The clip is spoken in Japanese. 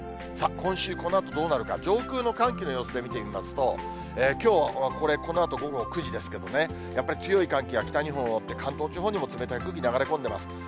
さあ、今週、このあとどうなるか、上空の寒気の様子で見てみますと、きょう、これ、このあと午後９時ですけどね、やっぱり強い寒気が北日本を覆って、関東地方にも冷たい空気流れ込んでます。